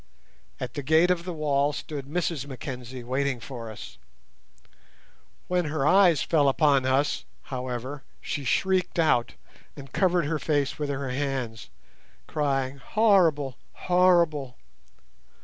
At the gate of the wall stood Mrs Mackenzie waiting for us. When her eyes fell upon us, however, she shrieked out, and covered her face with her hands, crying, "Horrible, horrible!"